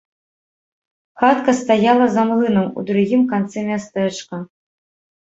Хатка стаяла за млынам у другім канцы мястэчка.